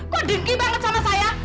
kok dinkey banget sama saya